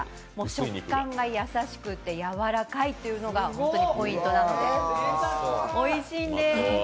食感が優しくて柔らかいというのがポイントなんです、おいしいんです。